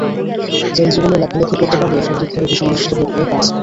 Jail জীবনে লেখালেখি করতে পারলেও শারীরিকভাবে ভীষণ অসুস্থ হয়ে পড়েন গ্রামসি।